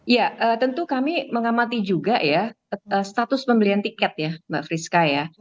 ya tentu kami mengamati juga ya status pembelian tiket ya mbak friska ya